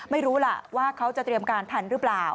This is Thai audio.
ไม่รู้ล่ะว่าเขาจะเตรียมการทันหรือเปล่า